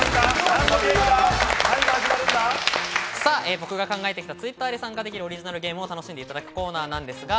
僕が考えてきたＴｗｉｔｔｅｒで参加できるオリジナルゲームを楽しんでいただくコーナーです。